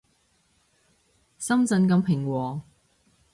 深圳咁平和